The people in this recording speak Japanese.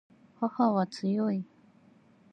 母は強い